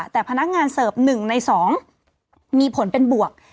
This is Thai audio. แต่พนักงานเสิร์ฟ๑ใน๒มีผลเป็นบวก